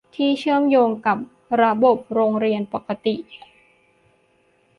ที่เชื่อมโยงกับระบบโรงเรียนปกติ